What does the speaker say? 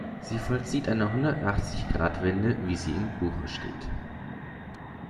Sie vollzieht eine Hundertachzig-Grad-Wende, wie sie im Buche steht.